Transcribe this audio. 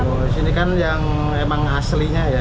kalau di sini kan yang emang aslinya ya